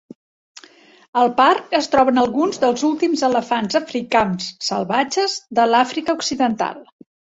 El parc es troben alguns dels últims elefants africans salvatges de l'Àfrica occidental.